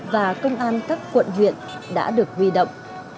và công an các quận huyện đã được huy động